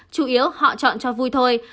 chủ yếu họ chọn cho vui thôi